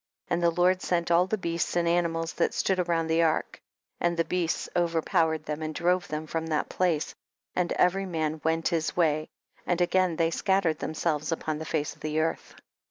25. And the Lord sent all the beasts and animals that stood round the ark. And the beasts overpow ered them and drove them from that place, and every man went his way and they again scattered themselves upon the face of the earth.